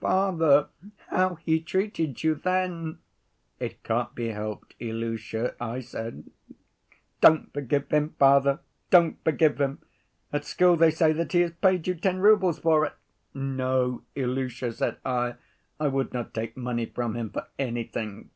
'Father, how he treated you then!' 'It can't be helped, Ilusha,' I said. 'Don't forgive him, father, don't forgive him! At school they say that he has paid you ten roubles for it.' 'No, Ilusha,' said I, 'I would not take money from him for anything.